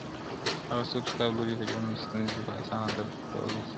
• هغه څوک چي کتاب لولي د ژوند ستونزي په اسانه درک کولای سي -